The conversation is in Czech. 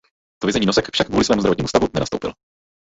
Do vězení Nosek však kvůli svému zdravotnímu stavu nenastoupil.